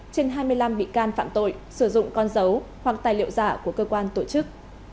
trên hai mươi năm bị can phạm tội sử dụng con dấu hoặc tài liệu giả của cơ quan tổ chức